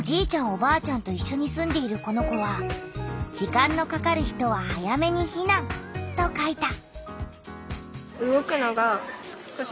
おばあちゃんといっしょに住んでいるこの子は「時間のかかる人は早めにひなん」と書いた。